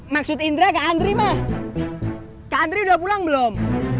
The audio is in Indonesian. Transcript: maksud indra ke andri mah ke andri udah pulang belum